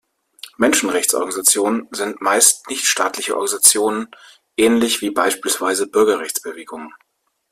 Menschenrechtsorganisationen sind meist nichtstaatliche Organisationen, ähnlich wie beispielsweise Bürgerrechtsbewegungen.